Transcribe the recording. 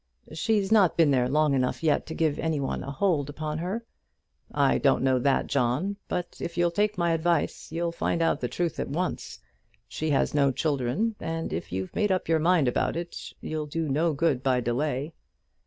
"She's not been there long enough yet to give any one a hold upon her." "I don't know that, John; but, if you'll take my advice, you'll find out the truth at once. She has no children, and if you've made up your mind about it, you'll do no good by delay."